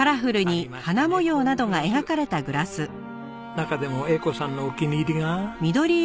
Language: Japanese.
中でも栄子さんのお気に入りが。